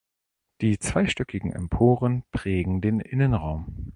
Die zweistöckigen Emporen prägen den Innenraum.